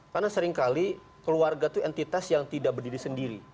karena seringkali keluarga itu entitas yang tidak berdiri sendiri